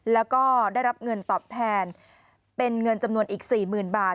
แล้วก็ได้รับเงินตอบแทนเป็นเงินจำนวนอีก๔๐๐๐บาท